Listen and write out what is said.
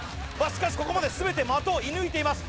しかしここまで全て的を射抜いています